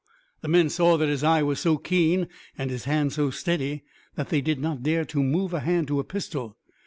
"The men saw that his eye was so keen and his hand so steady that they did not dare to move a hand to a pistol.